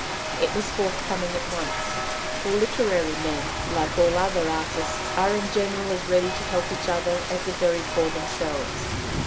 It was forthcoming at once; for literary men, like all other artists, are in general as ready to help each other as the very poor themselves.